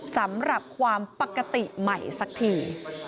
สำหรับความปกติใหม่สักที